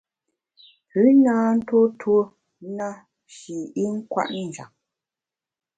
Pü na ntuo tuo na shi i nkwet njap.